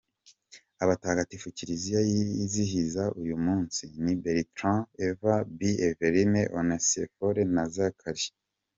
Abatagatifu kiliziya yizihiza uyu munsi ni Bertrand, Eve, Bee, Evelyne, Onesiphore na Zacharie.